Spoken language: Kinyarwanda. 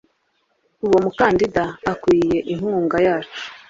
Uwo mukandida akwiye inkunga yacu